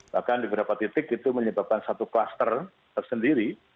bahkan di beberapa titik itu menyebabkan satu kluster tersendiri